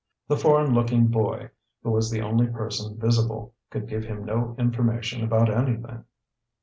The foreign looking boy, who was the only person visible, could give him no information about anything.